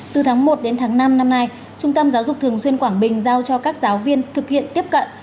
từ tháng một đến tháng năm năm nay trung tâm giáo dục thường xuyên quảng bình giao cho các giáo viên thực hiện tiếp cận